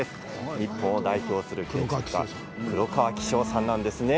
日本を代表する建築家黒川紀章さんです。